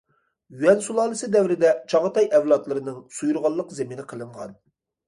يۈەن سۇلالىسى دەۋرىدە چاغاتاي ئەۋلادلىرىنىڭ سۇيۇرغاللىق زېمىنى قىلىنغان.